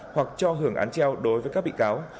hoặc cho hưởng án treo đối với các bị cáo